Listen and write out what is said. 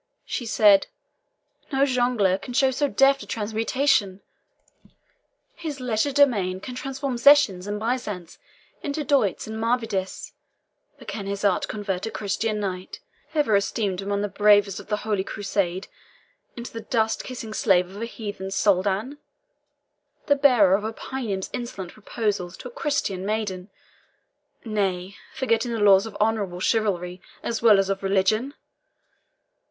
she said; "no jongleur can show so deft a transmutation! His legerdemain can transform zechins and byzants into doits and maravedis; but can his art convert a Christian knight, ever esteemed among the bravest of the Holy Crusade, into the dust kissing slave of a heathen Soldan the bearer of a paynim's insolent proposals to a Christian maiden nay, forgetting the laws of honourable chivalry, as well as of religion?